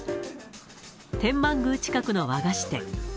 天満宮近くの和菓子店。